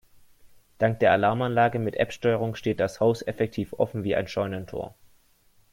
Dank der Alarmanlage mit App-Steuerung steht das Haus effektiv offen wie ein Scheunentor.